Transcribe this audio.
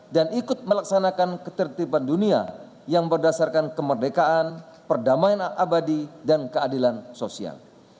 dan ikut melaksanakan ketertiban dunia yang berdasarkan kemerdekaan perdamaian abadi dan keadilan sosial